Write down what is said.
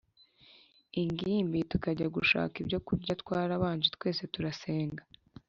ingimbi tukajya gushaka ibyokurya Twarabanje twese turasenga